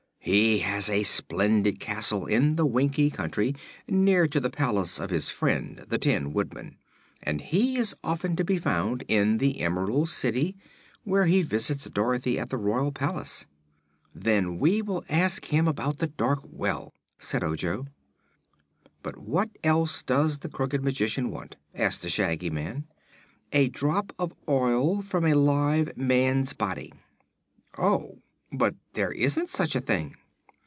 "He has a splendid castle in the Winkie Country, near to the palace of his friend the Tin Woodman, and he is often to be found in the Emerald City, where he visits Dorothy at the royal palace." "Then we will ask him about the dark well," said Ojo. "But what else does this Crooked Magician want?" asked the Shaggy Man. "A drop of oil from a live man's body." "Oh; but there isn't such a thing."